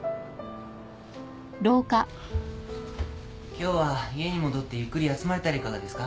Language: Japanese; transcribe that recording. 今日は家に戻ってゆっくり休まれたらいかがですか？